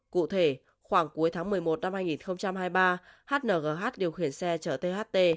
cụ thể khoảng cuối tháng một mươi một năm hai nghìn hai mươi ba hnh điều khiển xe chở tht